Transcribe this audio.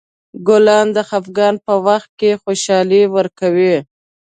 ګلان د خفګان په وخت خوشحالي ورکوي.